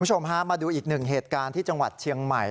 คุณผู้ชมฮะมาดูอีกหนึ่งเหตุการณ์ที่จังหวัดเชียงใหม่